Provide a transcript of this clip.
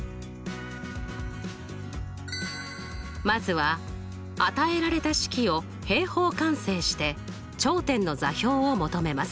まずは与えられた式を平方完成して頂点の座標を求めます。